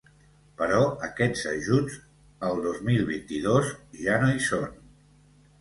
Però aquests ajuts, el dos mil vint-i-dos, ja no hi són.